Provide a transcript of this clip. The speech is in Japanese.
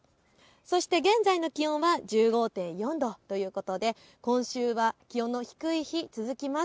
そして現在の気温は１５．４度ということで今週は気温の低い日、続きます。